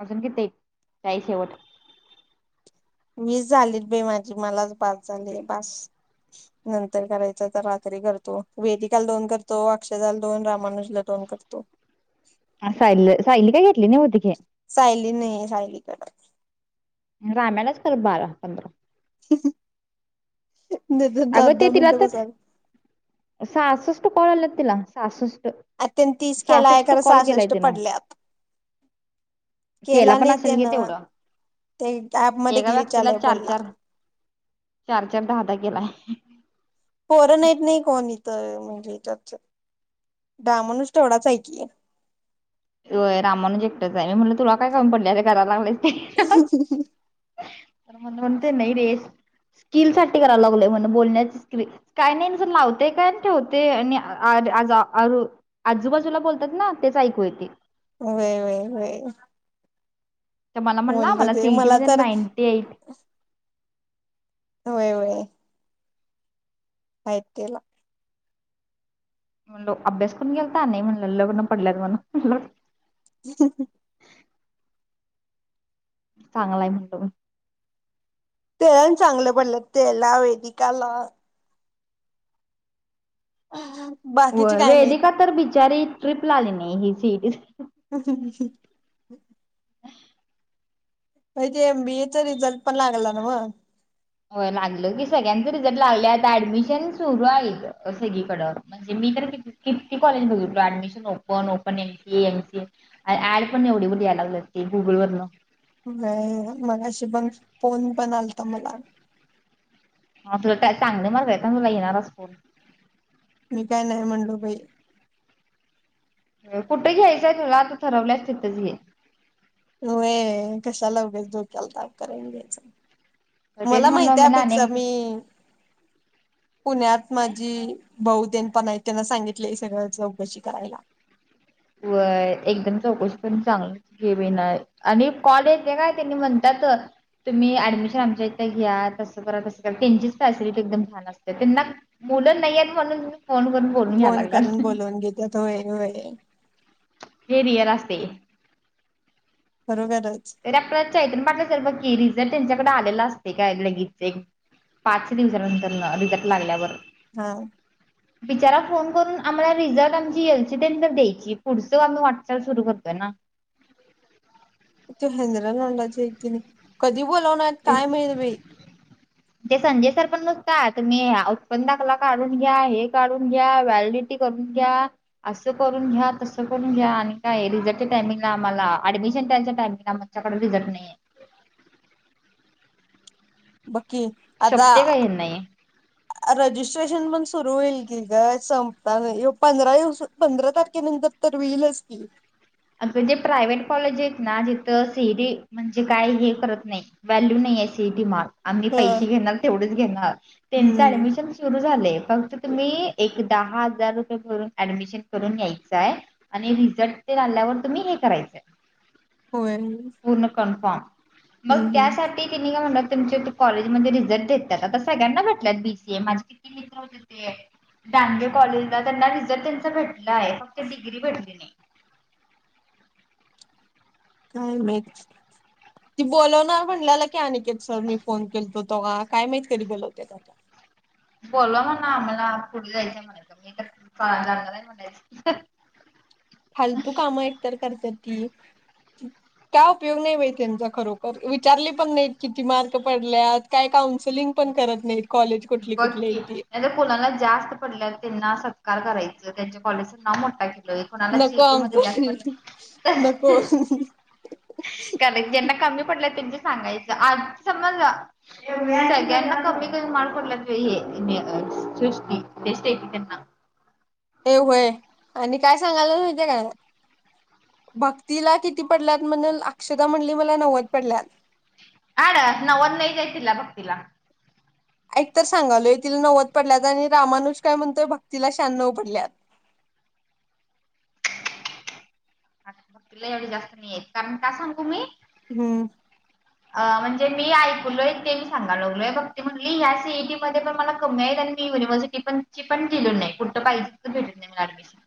अजून किती? काही शेवट? वीस झालीत बाई माझी मलाच बास झालय बास नंतर करायचं तर रात्री करतो, वेदिकाला दोन करतो, अक्षताला दोन, रामानुजला दोन करतो. सायली सायली काय घेतली नाही ओ तिथे. सायली नाहीे सायलीकड. राम्यालाच कर बारा, पंधरा. [inaudible] नाहीतर दहा अग ते दहा तिला मिनिटं तर, बसायला. सास कॉल आल्यात तिला, सहासस्ठ अ त्यांनी तीस केलाय खर सासष्ट तिनं पडल्यात, केला पण नाही असेल घे त्यान तेवढं ते ॲप मध्ये एका ग्लीच व्यक्तीला आलाय चार बोलला. गेलाय. पोरं नाहीत नाही कोणी. तर म्हणजेच्यात रामानुज तेवढाच आहे की. वय रामानुज एकटंच मी म्हटलं तुला काय काम पडल्या करायला लागलेय. [unintelligible] तर मण म्हणते नाही रे स्किल साठी कराय ला गलोय म्हण बोलण्याची स्किल काय नाही लावते काय अन् ठेवतेय आणि आज आजू आजूबाजूला बोलतात ना तेच ऐकू येती. व्हय व्हय व्हय. तर मला म्हणला बोललं मला ते सीईटी मध्ये तर नाईंटी एट. होय वय. आहे तेला. म्हणलो अभ्यास करून गेलता आम्ही म्हणल लग्न पडल्यात म्हणू. ह हं हं. चांगलाय म्हणतो म. तेला आणि चागलं पडलीत तेला वेदिका ला. अ हम. हो वेदिका तर बिचारी, ट्रिपला आली नाही ही सीईटी. ह. महती तेे एमबी ए च रिझल्ट पण लागला न्हव. होय लागलं की सगळ्यांच रिझल्ट लागले आहेत ऍडमिशन सुरू आहेत सगळीकडं म्हणजे मी तर किती कॉलेज बघितले admission open open MC MCA ऍड पण एवढी यायला लागलेट की गुगल वरन. [unintelligible] मगाशी बंग फोन पण आलत मला. हा तुला चांगल मार्क आहे ना तुला येणारच फोन. मी काय नाही म्हणलो बई. कुठं घ्यायचंय तुला आता ठरवल्याच तिथंच घे. हो ये कशाला उगच धोक्याला ताप करून द्यायच. तेच मला म्हणलं माहिती मला अनेक त्यापेक्षा मी काय पुण्यात माझी. बहुतेन पण आहे त्यांना सांगितलंय सगळं चौकशी करायला. वय एकदम चौकशी करून चांगलं घेवी नाय आणि कॉलेज आहे काय त्यांनी म्हणतात तुम्ही ऍडमिशन आमच्या इथ घ्या तसं करा तसं करा त्यांचीच फॅसिलिटि बन व्हायला असते त्यांना मुलं नाही म्हणून. फोन करून बोलून घ्यायला फोन करून लागलात बोलवून घेतात होय वय. हे रिअल असते. खरोखरच तर आपल चेतन पाटील सर बघ की रिझल्ट त्यांच्याकडे आलेला असते काय लगेच एक पाच दिवसानंतर रिझल्ट लागल्यावर. हा. बिचारा फोन करून आम्हाला रिझल्ट आमची यायची त्या नंतर द्यायची पुढचं आम्ही वाटचाल सुरू करतो ना. त्यांनी हिंद्रा तोंडाची आहेत किनय कधी बोलवणार तेच काय माहित बई. ते संजय सर पण नुसता तुम्ही उत्पन्नाकला काढून घ्या, हे काढून घ्या, वॅलिडिटी करून घ्या, असं करून घ्या तस करून घ्या आणि काय रिझल्टच्या टाइमिंगला आम्हाला ऍडमिशन त्यायच्या टाइमिंगला आमच्याकड रिझल्ट नाहीये. ब कि आता शोभते का हे नाही रजिस्ट्रेशन पण सुरू होईल. इजा संपता नाही पंधरा दिवस पंधरा तारखेनंतर तर विईलच की. अग जे प्रायव्हेट कॉलेज आहेत ना जिथं सीईटी म्हणजे काय हे करत नाही व्हॅल्यू नाही सीईटी मार् आम्ही पैसे घेणार तेवढेच घेणार त्यांच हम्म ऍडमिशन सुरू झालंय फक्त तुम्ही एक दहा हजार रुपये भरून ऍडमिशन करून यायचाय आणि रिझल्ट ते आल्यावर तुम्ही हे करायचंय होय हम्म पूर्ण कन्फर्म मग हम्म त्यासाठी त्यांनी काय म्हंटल्यात तुमचे कॉलेजमध्ये रिझल्ट देतात, आता सगळ्यांना भेटल्या बीसीए माझे किती मित्र होते ते डांगे कॉलेजला त्यांना रिझल्ट त्यांच भेटला आहे फक्त डिग्री भेटली नाही. काय माहित ती बोलवणार म्हंटल्याला की आनिकेत सर मी फोन केलतो तेव्हा, काय माहित कधी बोलवतात आता बोलवा म्हणावं आम्हाला पुढे जायचंय, मी तर जाणार आहे म्हणायचं फालतू काम एकतर करत्यात ती काय उपयोग नाही त्यांचा खरोखर विचारली पण नाही किती मार्क पडल्यात काय कौन्सिलिंग आहेत बघकी ती कोणाला जास्त पडल्या त्यांना सत्कार करायचं, त्यांच्या कॉलेज नाव मोठं होईल. कोणाला नको सीईटी मध्ये जास्त आमचं नको पडल्यात, कारण ज्यांना कमी पडल्या पडलेत त्यांच सांगायच आज समज सगळ्यांना कमी कमी मार्क पडल्यात हे सृष्टी त्या स्टेफी त्यांना ए होय आणि काय सांगायला माहिती आहे काय भक्तीला किती पडल्यात म्हणून अक्षता म्हणली मला नव्वद पडल्यात हाड नव्वद नाही नाहीच आहेत तिला भक्तीला ऐक तर सांगालोय तिला नव्वद पडल्यात आणि रामानुज काय म्हणतोय भक्तीला शहाण्णव पडल्यात हाड तिला एवढी जास्त नाहीे आहेत कारण काय सांगू मी हम्म अ म्हणजे मी ऐकलोय ते मी सांगालोय भक्ती म्हणली ह्या सीईटी मध्ये पण मला कमी आहेत आणि मी युनिव्हर्सिटी पण पण दिलो नाही कुठ पाहिजे भेटते नाही मला ऍडमिशन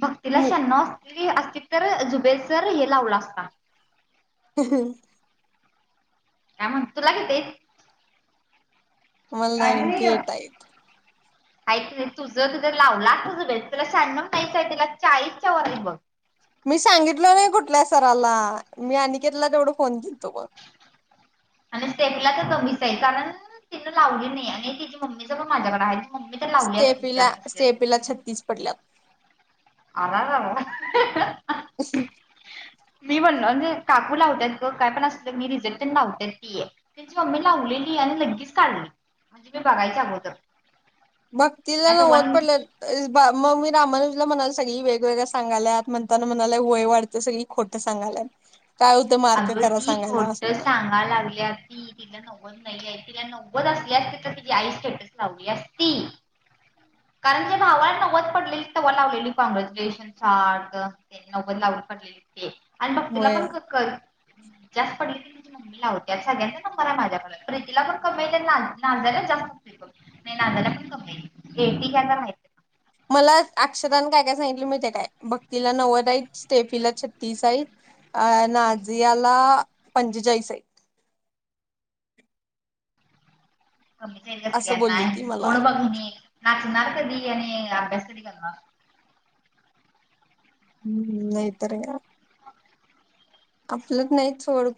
भक्तीला मी शहाण्णव अस तील असतीत तर जुबेल सर हे लावला असता [unintelligible] का म्हण, तूला किती आहेत? मला नाईंटी एट आहेत. नाही तुझं जर लावला त बेस तरला शहाण्णव पैसा आहे तला चाळीसच्या वर हयत बग मी सांगितल नाही कुठल्या सराला मी अनिकेतला तेवढं फोन केलतो बघ आणि स्टेफीला तर कमीच आहे कारण तिनं लावली नाही आणि तिच्या मम्मी च पण माझ्याकडे आहे. मम्मी तर लावली असती स्टेफीला जास्त असली असती स्टेफीला छत्तीस पडल्यात. आरारारा अ म्हे काकू लावतत काय पण असु दे, रिझल्ट तेन लावतती त्यांची मम्मी लावलेली आणि लगीच काढली म्हणजे मी बघायचं अगोदर मी भक्तीला असं नव्वद वन पडल्यात मग मी रामानुज म्हणाला सगळी वेगवेगळ्या सांगायत म्हताना म्हणाय वय वाढतं सगळी खोटं सांगाल्यात. काय होतं मार्क अग खरा ती सांगायला खोट असं म्हणाला. सांगा लागल्याती तिला नव्वद नाही तिला नव्वद असली असती तर तिची आई स्टेटस लावली असती कारण तिच्या भावाला नव्वद पडलेली तेव्हा लावलेली कॉनग्रॅच्युलेशन पार्थ नव्वद लावली पडलेली ते आणि भक्तीला होय पण खक जास्त पडलीी मम्मी ला होते सगळ्यांचा नंबर आहे माझ्याकडे प्रीतीला पण कमाल नाय जास्त नाही नायला पण कमाल हे ती घयला माहितय का? मला अक्षदाने काय काय सांगितलं माहीते काय भक्तीला नव्वदई स्टेफीला छत्तीसई अ नाझियाला पंचेचाळीसई कमी जाईल का असं बोलली ती सगळ्यांना मला तोडं बघती. कधी आणि अभ्यास कध करणार हम्म नाही तरर काय? [inaudible] आपलं नाहीच ड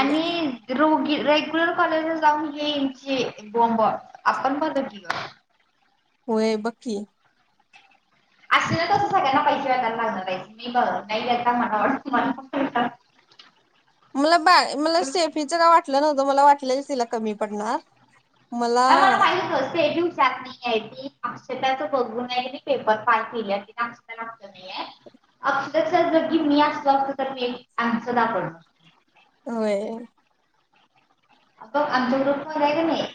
आणि रोगी रेग्युलर कॉलेज जाऊन येईल बॉमब आपण बघ घ होय बकी. असे ना तसं सगळ्यांना पैसे वगयला लागणार राहियचे मी बघ नाही घता मनात म मला बा मला सेफीच का वाटलं नव्हत. तु मला वाटलं की तिला कमी पडणार अ मला माहिती पेलु ी अक्षताच बघूनयी पेपर फय केली ति अक्षतात नाही अक्ष जरी मी असतो असत तर मी आनसर दाखवणार होय. ग आमचा ग्रुप म आहे का नाही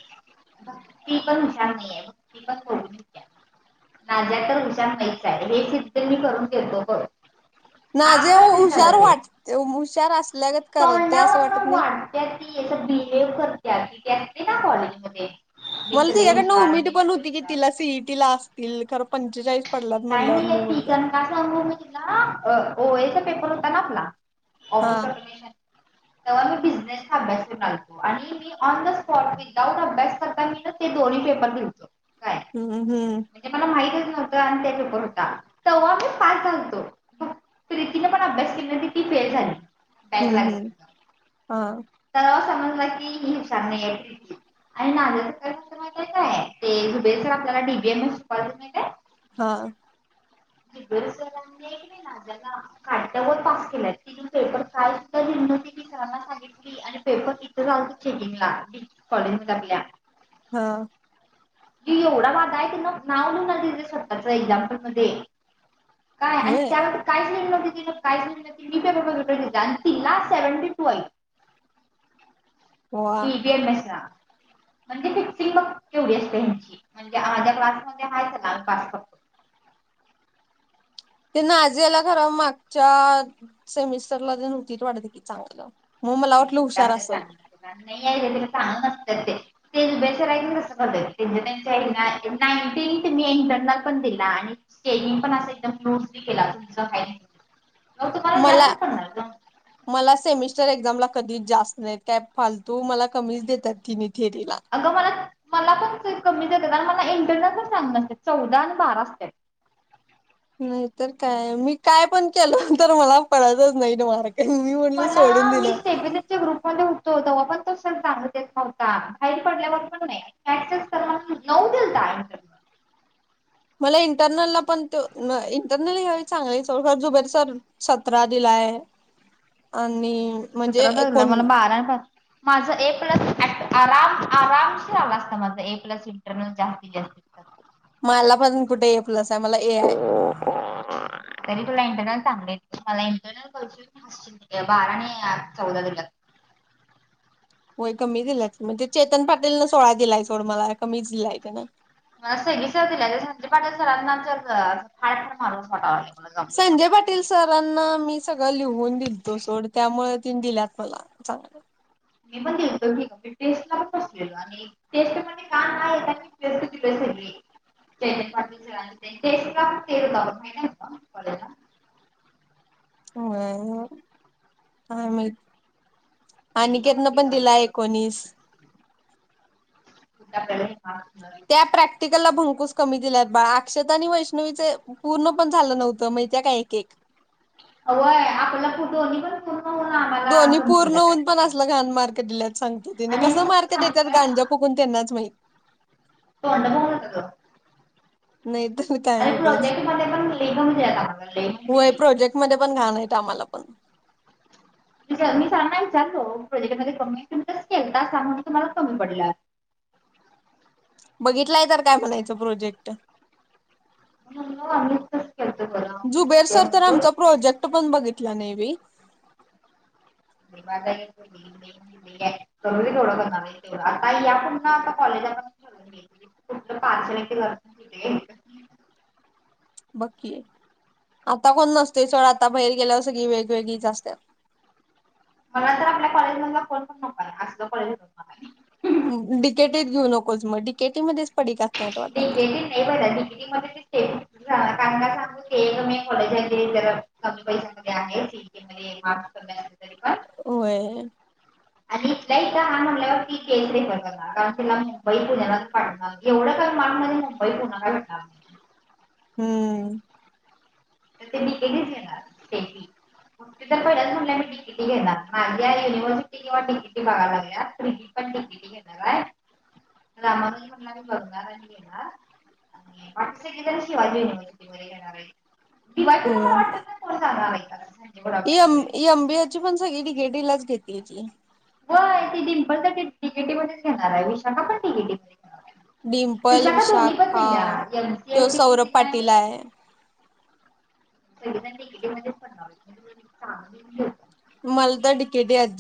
ती पण हुशार नाही आहे त पण नाझ्या तर हुशार नाहीच आहे हे सिद्ध मी करून घेतो बघ. ना जे आताच सिद्ध हुशार झालं ते. वाटते हुशार असते. लगत क ते असं वाटत नाही. बिहेव्ह करते की ते असते ना कॉलेजमध्येध्ये मला तिच्या्याकडनं उमेद पण होती की तिला सीईटीला अस तिल करं पंचेचाळीस पडल्यात काय म्हणल्यावर नाहीय मी म्हणलो पिकन कासा अनभव म्हणजे याचा पेपर होता ना आपला हा फस तेव्हा मी बिझनेसचा अभ्यास कर लागतो आणि मी ऑन द स्पॉट विदाउट अभ्यास करता मी ते दोन्ही पेपर घेतचो हम्म हम्म. हो का? तेव्हा मी पा झातो तने पण अभ्यास केला ती फेल झाली बॅक हम्म लागली हम्म तिला. हा. तर समजला कीी आणियुबे सर आपल्याला डीबीएम ए हा. दि सरां ना ज काद्या व पास केलाय तिथून पेपर का मी सना सांगितली आणि पेपर तिथं जालत चेकिंगला कॉलेज आपल्या हा. ती एवढा वाधा आहे ते न नाव स्वतःचा एक्झामपल मध्ये काय आणि होय त्यान काहीच नाही न. काी व ती लाट सेव्हनटी टू आहे. वा बील [unintelligible] [unintelligible] ते ना आजे याला खर मागच्या सेमिस्टरला नव्हती वाटते की चांगलं- मग, मला वाटलं कुठं हुशार असत्यात असल- चांगली नाही चांग नसत तेे कस [unintelligible] मला -मला, सेमिस्टर एक्झाम ला- कधीच जास्त नाही. त्यात फालतू मला कमीच देतात किनि - अगं मला- मला पण ते कमी देतात आणि मला इंटरला पण चांगले ते चौदा आणि बारा होते - नाहीतर काय? मी काय पण केलंंत मला पळायचच नाही मार- मी म्हणल मला सोडून मी दिलं. सेबीसीच्या ग्रुपमध्ये होतो पण त स म्हणजे नव्हता बाहेर पडल्यावर पण न्हवता [unintelligible] मला इंटरनलला पण त इंटरनल ह हवे चांगली स जुबेर सर सतरा दिलाय आणि- म्हणजे सतरा का होईना एकोण मला बाराय मग, माझं ए प्लस आम आराम से आला असता माझा ए प्लस इंटरनल जास्तीत जास्त- मला पन कुठे? खुलासा मला ए आहे. ला इंटरनल [unintelligible] बारा आणि चौदा दिला- होय, कमीच दिलाय म्हणजे चेतन पाटील न सोळा दिलाय सोड, मला कमीच दिलाय त्यानी [unintelligible] तर. संजय पाटील सरांना मी सगळं लिहून दिलतो सोड त्यामुळे- दिल्यात मला. चांगल - मी म्हटलो मी टेस्टला पण बसलेलो आणि टेस्ट का नाही [unintelligible] हो ह म. आणि वेदिका केतनला म्हटली पण जाऊ दे दिलाय सर एकोणीस- कुठं आपल्याला हे मार्क्स मिळणार त्या प्रॅक्टिकलला भंकूस- कमी दिल्या, बा अक्षता आणि वैष्णवीच पूर्ण पण झालं नव्हतं माहितय काय एक एक- अ व्हय आपला तो [unintelligible] दोन्ही पूर्ण होऊन पण असलं घाण मार्क दिल्यात सांगतो त्यांनी. आणि आम्ही कसं सगळं मार्क देतात सांगितलंय गांजा फुकून त्यांनाच माहित - तोड [unintelligible] नाही तर काय उगच? पण लई कमी दिल्यात आम्हाला लई म्हणजे होय लई प्रोजेक्ट मध्ये पण घाण आहेत. दमाला पण- मी सांना विचारतो प्रोजेक्ट मध्ये कमिशन असकेल त सा म्हून तुम्हाला कमी पडला- बघितलंय तर काय म्हणायचं प्रोजेक्ट- [unintelligible] म्हणजे जुबेर चुक्या सर तर, म्हणलो आमचा प्रोजेक्ट पण बघितला नाही बाई - [inaudible] बघ की, आता कोण नसतय [unintelligible] आता बाहेर गेल्यावर सगळी वेगवेगळीच असत्यात. मला तर आपल्या कॉलेज मध फोन पण नकला आज कॉलेज मणा डीकेटीत घेऊ नकोच मग डडीकेटी मध्येच पडी नकती नाही पडली सांगू क कॉलेज आहे जरा कमी पैशामध्ये आहे सीटी मध्येफ होय आणि इथ इथ हा म्हणल्यावर की केसरे बर्गला कारण तिला मुंबई पुण्या्या पाणार एवढं मनमध्ये मुंबईत होणारला भेटणार हम्म. तर ते बिकेटी घेणार स्टेट तर पहिल्याच म्हण मी तिकिटी घेणार माझ्या युनिव्हर्सिटी किंवा तिकिटी बघायलागे त पण तिकिटी घेणार आहे रामाग म्ह म बंग घेणार पाट तर शिवाजी युनिव्हर्सिटी घेणार आहे दिवाय तुला मला वाटत का को सांगणार नाही असं संजय गोडावत आणि म डीवायटी. एमबीए ची पण सगळी डीगेटीलाच घेत तेची होय ती डि्पल तिकेटीमध्येच घेणार आहे विशाखा पण तिकेटीमध्ये डिम्पल विशाखा दिल्या तो एमसीएटी पण सौरभ दिल्या पाटील आणि आहे. [inaudible] मलदा डिकेट अज